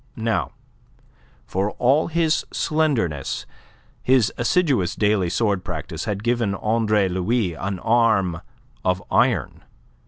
Now, for all his slenderness, his assiduous daily sword practice had given Andre Louis an arm of iron.